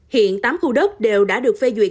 hiện tám khu đất đều đã được phê duyệt